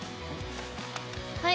はい。